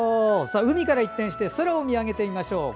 海から一転して空を見上げてみましょう。